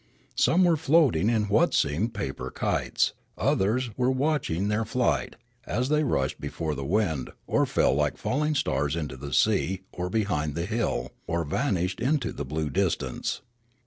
Some were floating what seemed paper kites ; others were watching their flight, as they rushed before the wind or fell like falling stars into the sea or behind the hill, or vanished into the blue distance.